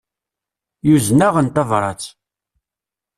Yuzen-aɣ-n tabrat.